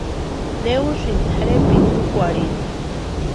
¿Ne úsïni tʼarhepiti úkwarhini?